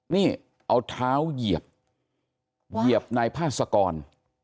นี่เอาเท้าเหยียบเหยียบนายพาสกร